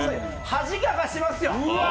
恥かかしますよ！